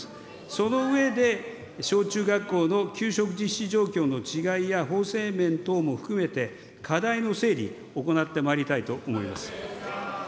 その上で、小中学校の給食実施状況の違いや法制面等も含めて、課題の整理、行ってまいりたいと思います。